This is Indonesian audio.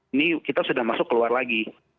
ini kita sudah masuk keluar lagi